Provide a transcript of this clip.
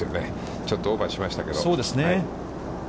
ちょっとオーバーしましたけれども。